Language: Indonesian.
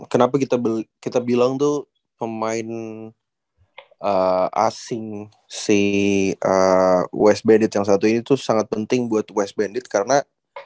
kenapa kita bilang tuh pemain asing si wes banit yang satu ini tuh sangat penting buat wes banit karena